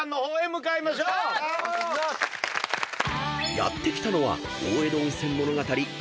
［やって来たのは］